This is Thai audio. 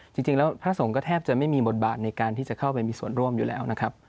จริงแล้วพระสงฆ์ก็แทบจะไม่มีบทบาทในการที่จะเข้าไปมีส่วนร่วมอยู่แล้วนะครับ